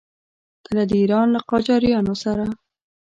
کله د ایران له قاجاریانو سره.